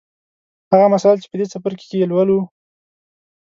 هغه مسایل چې په دې څپرکي کې یې لولو